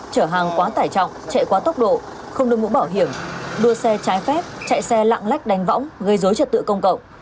trở hàng quá tải trọng chạy quá tốc độ không đưa mũ bảo hiểm đua xe trái phép chạy xe lạng lách đánh võng gây dối trật tự công cộng